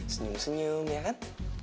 senyum senyum ya kan